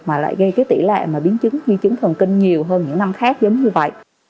mà lại gây cái tỷ lệ mà biến chứng biến chứng thần kinh nhiều hơn những năm khác giống như vậy